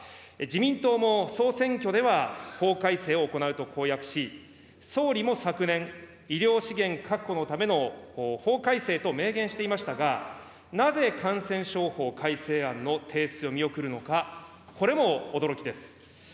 自民党も総選挙では法改正を行うと公約し、総理も昨年、医療資源確保のための法改正と明言していましたが、なぜ感染症法改正案の提出を見送るのか、これも驚きです。